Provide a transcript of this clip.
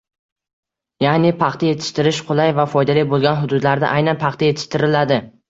Ya’ni paxta yetishtirish qulay va foydali bo‘lgan hududlarda aynan paxta yetishtiriladi